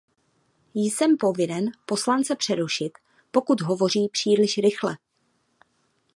Jsem povinen poslance přerušit, pokud hovoří příliš rychle.